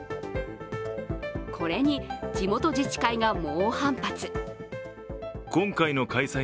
これに地元自治会が猛反発。